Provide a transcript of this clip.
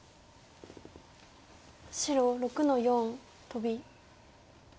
白６の四トビ。